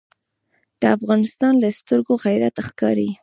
د افغان له سترګو غیرت ښکاري.